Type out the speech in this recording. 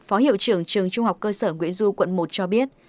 phó hiệu trưởng trường trung học cơ sở nguyễn du quận một cho biết